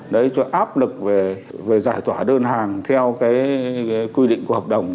đấy cho áp lực về giải tỏa đơn hàng theo cái quy định của hợp đồng